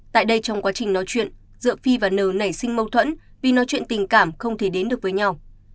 tại đây trong quá trình nói chuyện giữa phi và n nảy sinh mâu thuẫn vì nói chuyện tình cảm không thể đến được với nhau